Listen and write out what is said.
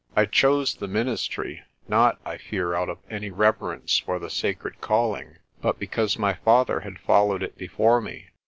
I chose the ministry, not, I fear, out of any reverence for the sacred calling, but because my father had followed it before me.